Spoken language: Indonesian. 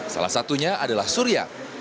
salah satunya adalah surya